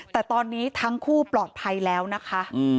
แต่ตอนนี้ทั้งคู่ปลอดภัยแล้วนะคะ